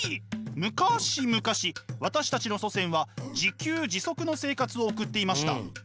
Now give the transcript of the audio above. むかし昔私たちの祖先は自給自足の生活を送っていました。